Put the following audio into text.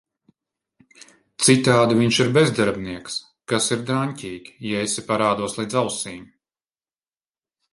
Citādi viņš ir bezdarbnieks - kas ir draņķīgi, ja esi parādos līdz ausīm…